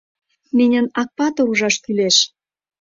Миньын Акпатыр ужаш кюлеш.